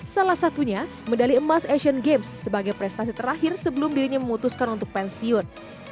salah satunya medali emas asian games sebagai prestasi terakhir sebelum dirinya memutuskan untuk pensiun